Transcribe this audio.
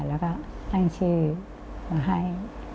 แล้วก็ตั้งชื่อมาให้